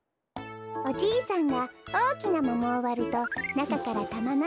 「おじいさんがおおきなももをわるとなかからたまのような」。